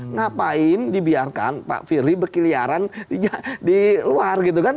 ngapain dibiarkan pak firly berkeliaran di luar gitu kan